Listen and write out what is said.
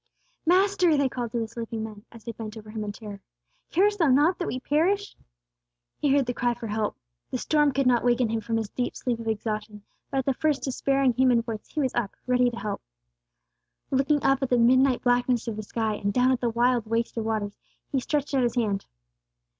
"Master!" they called to the sleeping man, as they bent over Him in terror. "Carest Thou not that we perish?" He heard the cry for help. The storm could not waken Him from His deep sleep of exhaustion, but at the first despairing human voice, He was up, ready to help. Looking up at the midnight blackness of the sky, and down at the wild waste of waters, He stretched out His hand.